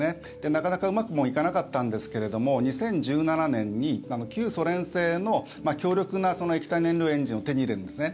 なかなかうまくもいかなかったんですけれども２０１７年に旧ソ連製の強力な液体燃料エンジンを手に入れるんですね